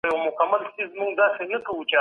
هغه د ارگ دفاع وکړه.